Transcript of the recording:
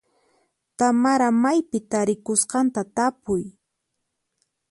Tamara maypi tarikusqanta tapuy.